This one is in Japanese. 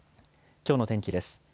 きょうの天気です。